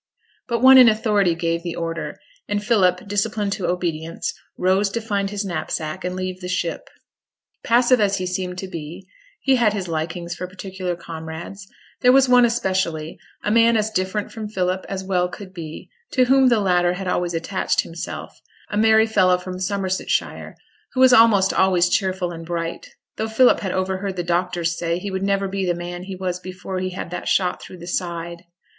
But one in authority gave the order; and Philip, disciplined to obedience, rose to find his knapsack and leave the ship. Passive as he seemed to be, he had his likings for particular comrades; there was one especially, a man as different from Philip as well could be, to whom the latter had always attached himself; a merry fellow from Somersetshire, who was almost always cheerful and bright, though Philip had overheard the doctors say he would never be the man he was before he had that shot through the side.